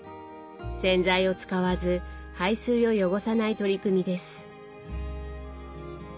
洗剤を使わず排水を汚さない取り組みです。